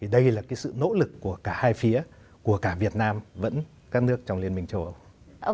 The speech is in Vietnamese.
đây là sự nỗ lực của cả hai phía của cả việt nam vẫn các nước trong liên minh châu âu